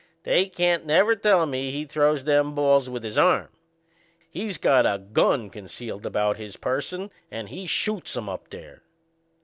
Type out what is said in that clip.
They can't never tell me he throws them balls with his arm. He's got a gun concealed about his person and he shoots 'em up there.